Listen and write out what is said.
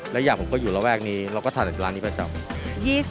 และอยากผมก็อยู่ระแวกนี้เราก็ถ่ายร้านนี้ไปเจาะ